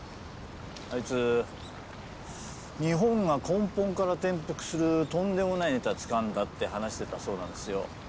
あいつ「日本が根本から転覆するとんでもないネタをつかんだ」って話していたそうなんですよ。